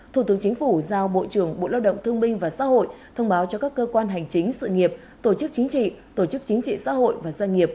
thủ tướng chính phủ giao bộ trưởng bộ lao động thương minh và xã hội thông báo cho các cơ quan hành chính sự nghiệp tổ chức chính trị tổ chức chính trị xã hội và doanh nghiệp